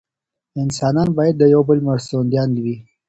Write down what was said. انسانان باید د یو بل مرستندویان وي.